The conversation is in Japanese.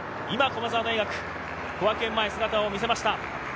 今、駒澤大学、小涌園前に姿を見せました。